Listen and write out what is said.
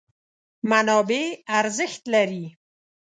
منابع ارزښت لري.